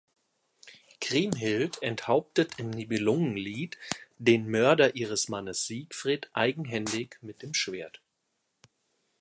Kriemhild enthauptet im Nibelungenlied den Mörder ihres Mannes Siegfried eigenhändig mit dem Schwert.